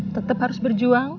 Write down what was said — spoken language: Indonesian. tetap harus berjuang